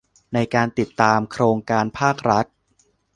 ในการติดตามโครงการภาครัฐ